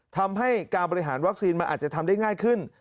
ทำให้การบริหารวัคซีนมันอาจจะทำได้ง่ายขึ้น